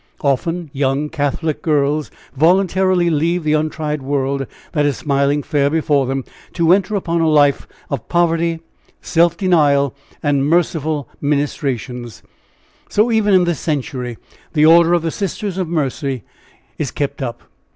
Often young Catholic girls voluntarily leave the untried world that is smiling fair before them to enter upon a life of poverty, self denial and merciful ministrations; so even in this century the order of the Sisters of Mercy is kept up.